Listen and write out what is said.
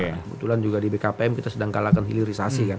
kebetulan juga di bkpm kita sedang kalahkan hilirisasi kan